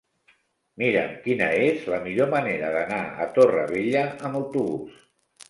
Mira'm quina és la millor manera d'anar a Torrevella amb autobús.